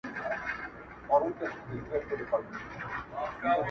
یا بارېږه زما له سرایه زما له کوره,